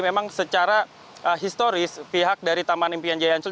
memang secara historis pihak dari taman impian jaya ansur